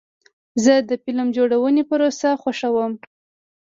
زه د فلم جوړونې پروسه خوښوم.